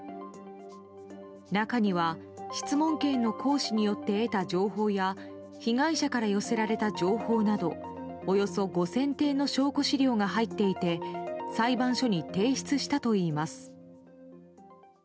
中には質問権の行使によって得た情報や被害者から寄せられた情報などおよそ５０００点の証拠資料が入っていて裁判所に提出したといいます。